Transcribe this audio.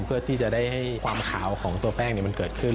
เพื่อที่จะได้ให้ความขาวของตัวแป้งมันเกิดขึ้น